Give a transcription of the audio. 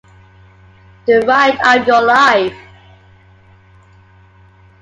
The Ride Of Your Life!